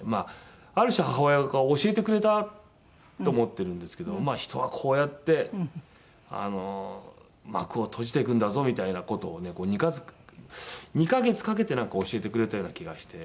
ある種母親が教えてくれたと思ってるんですけど人はこうやって幕を閉じていくんだぞみたいな事をね２カ月かけてなんか教えてくれたような気がして。